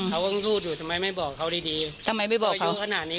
เขาก็คงพูดอยู่ทำไมไม่บอกเขาดีทำไมไม่บอกเขา